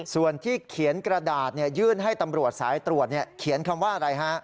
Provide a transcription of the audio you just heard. ส่วนที่เขียนกระดาษยื่นให้ตำรวจสายตรวจเขียนคำว่าอะไรฮะ